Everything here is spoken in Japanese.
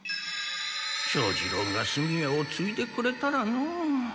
庄二郎が炭屋をついでくれたらのう。